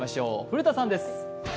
古田さんです。